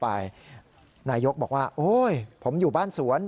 นายกรัฐมนตรีบอกว่าโอ๊ยผมอยู่บ้านสวน